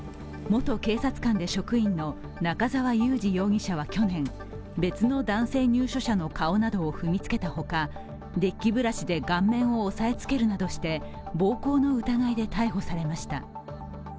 元警察官で職員の中沢雄治容疑者は去年別の男性入所者の顔などを踏みつけたほかデッキブラシで顔面を押さえつけるなどして暴行の疑いで逮捕されました。